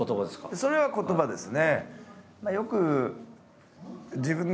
それは言葉ですね。